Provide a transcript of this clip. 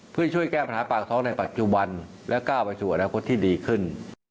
เพื่อช่วยแก้ปัญหาปากท้องในปัจจุบันและก้าวไปสู่อนาคตที่ดีขึ้น